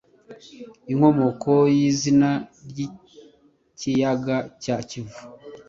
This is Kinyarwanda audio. inkomoko y’izina ry’ikiyaga cya kivu